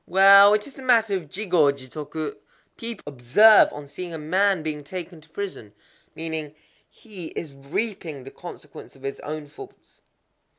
"Well, it is a matter of Jigō jitoku," people will observe on seeing a man being taken to prison; meaning, "He is reaping the consequence of his own faults."